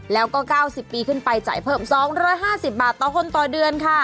แล้วก็๙๐ปีขึ้นไปจ่ายเพิ่ม๒๕๐บาทต่อคนต่อเดือนค่ะ